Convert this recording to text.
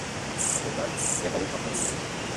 গতকাল ইয়াকারির স্বপ্নে ঈগল এসেছিল।